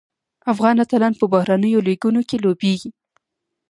افغان اتلان په بهرنیو لیګونو کې لوبیږي.